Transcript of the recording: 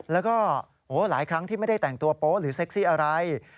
แล้วก็หลายครั้งที่ไม่ได้แต่งตัวโป๊หรือเซ็กซี่อะไร